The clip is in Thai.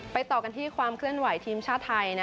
ต่อกันที่ความเคลื่อนไหวทีมชาติไทย